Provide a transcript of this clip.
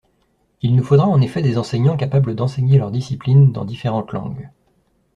Il nous faudra en effet des enseignants capables d’enseigner leur discipline dans différentes langues.